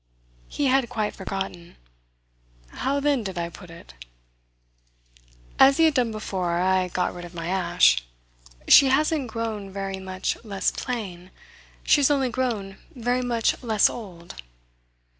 He had quite forgotten. "How then did I put it?" As he had done before, I got rid of my ash. "She hasn't grown very much less plain. She has only grown very much less old."